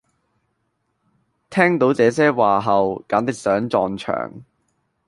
聽到這些話後簡直想撞牆